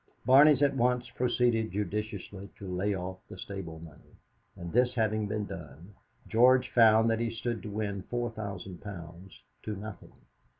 Barney's at once proceeded judiciously to lay off the Stable Money, and this having been done, George found that he stood to win four thousand pounds to nothing.